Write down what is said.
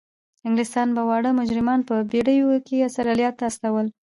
انګلستان به واړه مجرمان په بیړیو کې استرالیا ته استول.